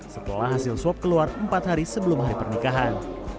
setelah hasil swab keluar empat hari sebelum hari pernikahan